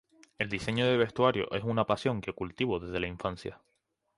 El diseño de vestuario es una pasión que cultivo desde la infancia.